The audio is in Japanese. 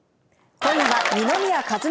今夜は二宮和也